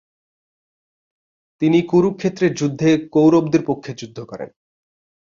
তিনি কুরুক্ষেত্রের যুদ্ধে কৌরবদের পক্ষে যুদ্ধ করেন।